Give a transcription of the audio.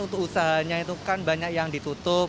untuk usahanya itu kan banyak yang ditutup